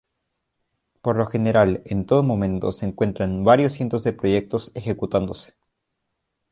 Por lo general en todo momento se encuentran varios cientos de proyectos ejecutándose.